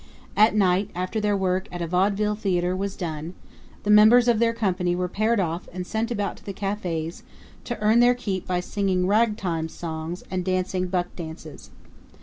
At night, after their work at a vaudeville theater was done, the members of their company were paired off and sent about to the cafes to earn their keep by singing ragtime songs and dancing buck dances.